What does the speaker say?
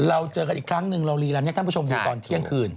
เราเจอกันอีกครั้งหนึ่งเรารีรันให้ท่านผู้ชมดูตอนเที่ยงคืน